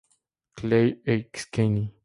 Clair Erskine.